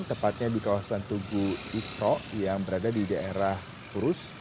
tepatnya di kawasan tugu ikro yang berada di daerah kurus